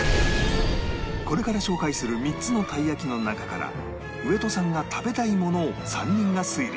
これから紹介する３つのたい焼きの中から上戸さんが食べたいものを３人が推理